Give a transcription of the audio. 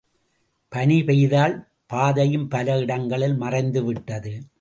பனி பெய்ததால், பாதையும் பல இடங்களில் மறைந்துவிட்டது.